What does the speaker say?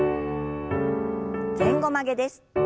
前後曲げです。